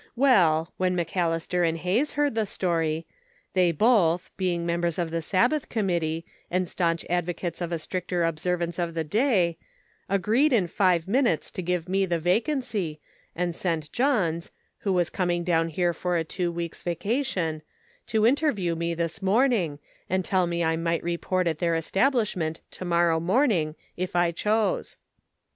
Well, when McCalister & Hayes heard tho story, they both, being members of the Sab bath Committee, and staunch advocates of a stricter observance of the day, agreed in five minutes to give me the vacancjr, and sent Johns, who was coming down here for a two weeks vacation, to interview me this morning, and tell me I might report at their establish ment to morrow morning, if I chose."